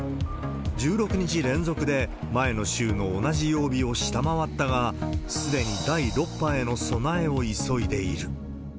１６日連続で前の週の同じ曜日を下回ったが、すでに第６波への備えを急いでいる。